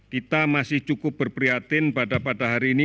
kita masih cukup berprihatin pada hari ini